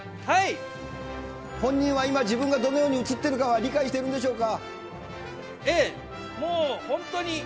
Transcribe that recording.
本人は今、自分がどのように映っているかは理解しているんでしょうか。